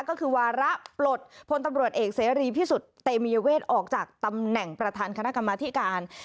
ก็คือวาระปลดพลตำรวจเอกเสรีพิสุทธิ์เตมียเวทออกจากตำแหน่งประธานคณะกรรมธิการ